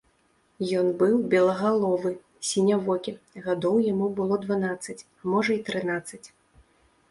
Ён быў белагаловы, сінявокі, гадоў яму было дванаццаць, а можа і трынаццаць.